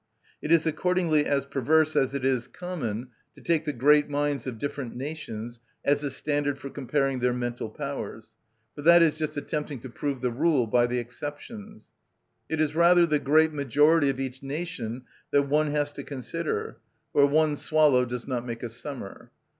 It is accordingly as perverse as it is common to take the great minds of different nations as the standard for comparing their mental powers: for that is just attempting to prove the rule by the exceptions. It is rather the great majority of each nation that one has to consider: for one swallow does not make a summer.